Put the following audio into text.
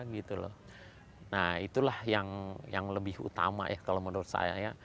nah itulah yang lebih utama ya kalau menurut saya ya